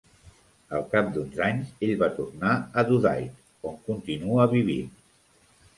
Al cap d'uns anys, ell va tornar a Dhudike, on continua vivint.